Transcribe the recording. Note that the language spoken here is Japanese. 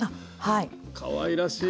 かわいらしい。